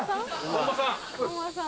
馬さん。